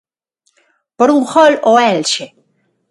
Por un gol ao Elxe.